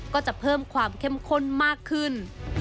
ก็จะเพิ่มความเข้มข้นมากขึ้น